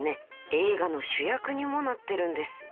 映画の主役にもなってるんです］